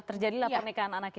terjadilah pernikahan anak itu